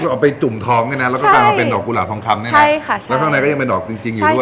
ออกไปจุ่มทองเนี่ยนะแล้วก็กลายมาเป็นดอกกุหลาบทองคำเนี่ยนะแล้วข้างในก็ยังเป็นดอกจริงอยู่ด้วย